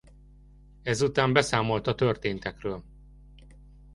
Ezután beszámolt a történtekről.